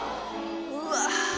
うわ！